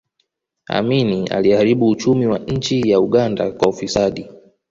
amini aliharibu uchumi wa nchi ya uganda kwa ufisadi